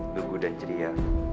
gugu dan ceria